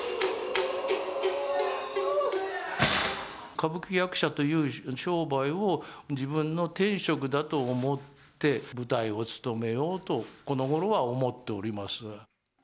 歌舞伎役者という商売を自分の天職だと思って、舞台を勤めようと、このごろは思っております。